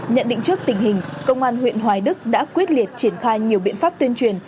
nhận định trước tình hình công an huyện hoài đức đã quyết liệt triển khai nhiều biện pháp tuyên truyền